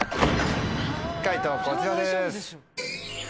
解答こちらです。